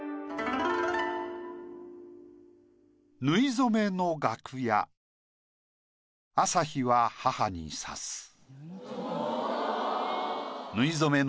「縫い初めの楽屋朝日は母にさす」。